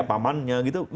paman ya gitu